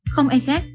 không ai khác